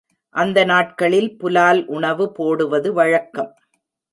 அந்த நாட்களில் புலால் உணவு போடுவது வழக்கம்.